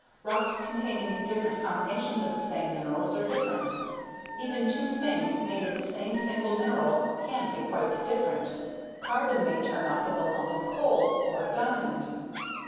Rocks containing different combinations of the same minerals are different. Even two things made of the same single mineral can be quite different. Carbon may turn up as a lump of coal or a diamond.